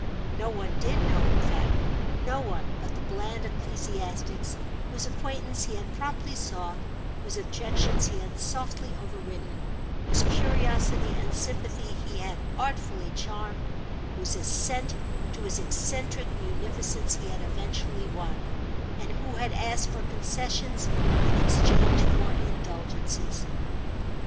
No one did know, in fact—no one but the bland ecclesiastics whose acquaintance he had promptly sought, whose objections he had softly overridden, whose curiosity and sympathy he had artfully charmed, whose assent to his eccentric munificence he had eventually won, and who had asked for concessions in exchange for indulgences.